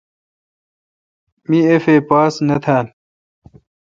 می اف اے پاس نہ تھال۔